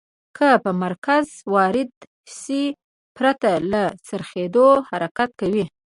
که په مرکز وارده شي پرته له څرخیدو حرکت کوي.